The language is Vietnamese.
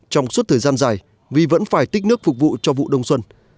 trong suốt thời gian dài vì vẫn phải tích nước phục vụ cho vụ đông xuân